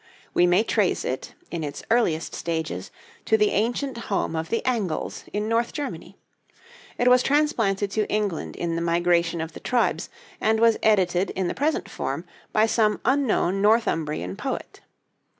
We may trace it, in its earliest stages, to the ancient home of the Angles in North Germany. It was transplanted to England in the migration of the tribes, and was edited in the present form by some unknown Northumbrian poet.